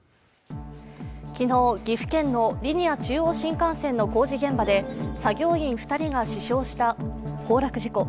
昨日、岐阜県のリニア中央新幹線の工事現場で作業員２人が死傷した崩落事故。